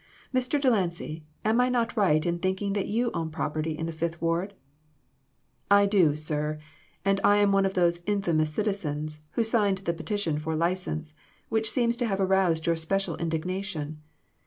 "Mr. Delancy, am I not right in thinking that you own property in the Fifth Ward ?" "I do, sir; and I am one of those 'infamous citizens ' who signed the petition for license, which seems to have aroused your special indig nation.